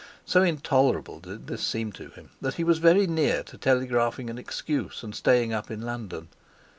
So intolerable did this seem to him that he was very near to telegraphing an excuse and staying up in London.